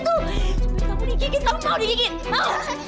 supaya kamu digigit kamu mau digigit mau mau